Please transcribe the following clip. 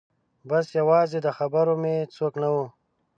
بس یوازې د خبرو مې څوک نه و